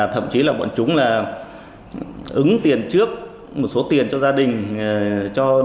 thậm chí là bọn chúng là ứng tiền trước một số tiền cho gia đình